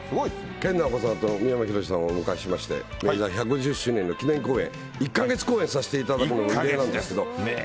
研ナオコさんと三山ひろしさんをお迎えしまして、１５０周年の記念公演、１か月公演させていただくのも異例なんで１か月ですよ。